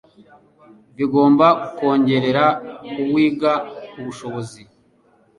bigomba kongerera uwiga ubushobozi